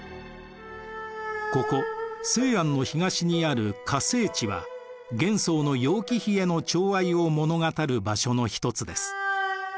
ここ西安の東にある華清池は玄宗の楊貴妃へのちょう愛を物語る場所の一つです。